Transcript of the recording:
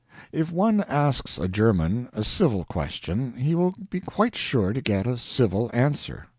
If one asks a German a civil question, he will be quite sure to get a civil answer.